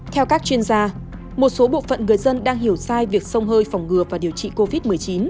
theo các chuyên gia một số bộ phận người dân đang hiểu sai việc sông hơi phòng ngừa và điều trị covid một mươi chín